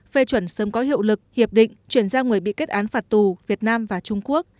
phê chuẩn sớm có hiệu lực hiệp định chuyển ra người bị kết án phạt tù việt nam và trung quốc